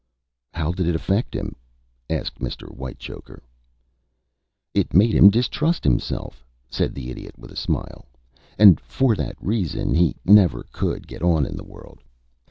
"How did it affect him?" asked Mr. Whitechoker. "It made him distrust himself," said the Idiot, with a smile, "and for that reason he never could get on in the world.